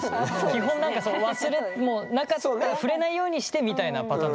基本なんか忘れなかった触れないようにしてみたいなパターンとかありますけど。